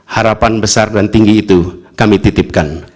harapan besar dan tinggi itu kami titipkan